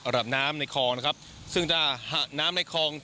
ระดับน้ำในคลองนะครับซึ่งถ้าน้ำในคลอง